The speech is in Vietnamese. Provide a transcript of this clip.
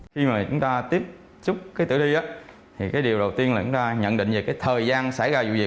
khi mà chúng ta tiếp xúc cái tử thi thì cái điều đầu tiên là chúng ta nhận định về cái thời gian xảy ra dụ dịp